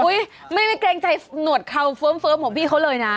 อุ้ยไม่ได้แกล้งใจหนวดเขาเฟิร์มของพี่เขาเลยนะ